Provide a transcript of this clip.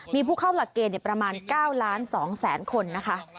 มีผู้เข้าหลักเกณฑ์ประมาณ๙ล้าน๒แสนคนนะคะ